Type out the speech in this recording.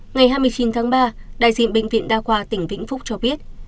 ngày hai mươi chín tháng ba đại diện bệnh viện đa khoa tỉnh vĩnh phúc cho biết